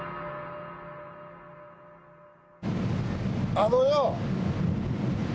あのよ